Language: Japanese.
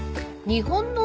日本の○○？